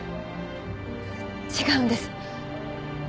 違うんです。